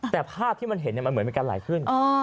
แต่ภาพที่มันเห็นมันเหมือนมีการไหลขึ้น